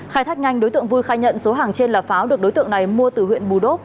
khai thác nhanh đối tượng vui khai nhận số hàng trên là pháo được đối tượng này mua từ huyện bù đốc